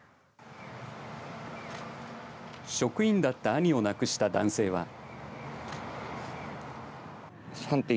職員だった兄を亡くした男性は。